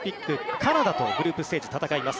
カナダとグループステージ戦います。